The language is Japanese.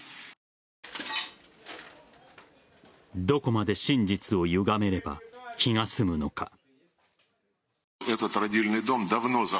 どこまで真実をゆがめれば気が済むのか。